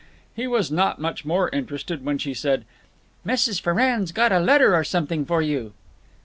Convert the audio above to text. He was not much more interested when she said, "Mrs. Ferrard's got a letter or something for you."